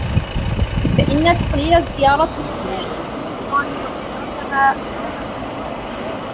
فَإِنَّ تَقْلِيلَ الزِّيَارَةِ دَاعِيَةُ الْهِجْرَانِ ، وَكَثْرَتَهَا سَبَبُ الْمَلَالِ